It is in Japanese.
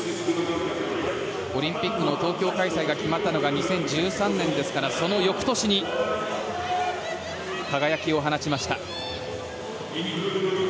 オリンピックの東京開催が決まったのが２０１３年ですからその翌年に輝きを放ちました。